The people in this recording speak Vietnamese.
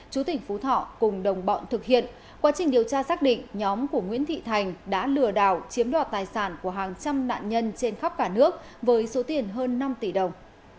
chú tỉnh phú thọ cùng đồng bọn thực hiện quá trình điều tra xác định nhóm của nguyễn thị thành đã lừa đảo chiếm đoạt tài sản của hàng trăm nạn nhân trên khắp cả nước với số tiền hơn năm tỷ đồng